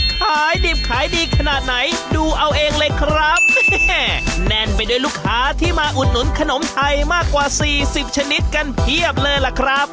ขายดิบขายดีขนาดไหนดูเอาเองเลยครับแน่นไปด้วยลูกค้าที่มาอุดหนุนขนมไทยมากกว่าสี่สิบชนิดกันเพียบเลยล่ะครับ